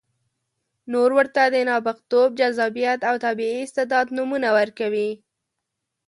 نور ورته د نابغتوب، جذابیت او طبیعي استعداد نومونه ورکوي.